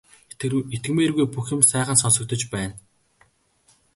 Итгэмээргүй бүх юм сайхан сонсогдож байна.